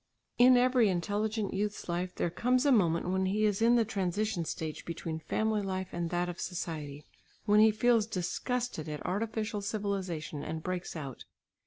In every intelligent youth's life there comes a moment when he is in the transition stage between family life and that of society, when he feels disgusted at artificial civilisation and breaks out.